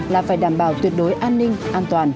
là phải đảm bảo tuyệt đối an ninh an toàn